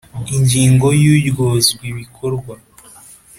Ingingo Ya Uryozwa Ibikorwa